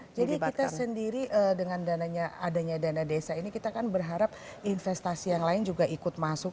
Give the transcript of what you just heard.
jadi kita sendiri dengan adanya dana desa ini kita kan berharap investasi yang lain juga ikut masuk